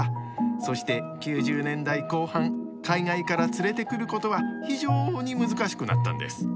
そして９０年代後半海外から連れてくることは非常に難しくなったんです。